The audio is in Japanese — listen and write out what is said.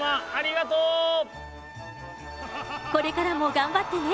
これからも頑張ってね。